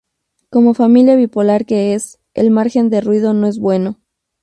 Como familia bipolar que es, el margen de ruido no es bueno.